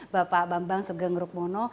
bapak bambang segeng rukmono